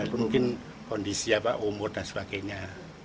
walaupun mungkin kondisi apa umur dan sebagainya